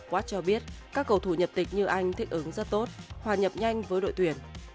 watt cho biết các cầu thủ nhập tịch như anh thích ứng rất tốt hòa nhập nhanh với đội tuyển